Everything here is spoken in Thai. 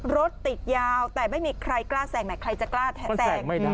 รถติดยาวแต่ไม่มีใครกล้าแสงไหมใครจะกล้าแสงมันแสงไม่ได้อ่ะ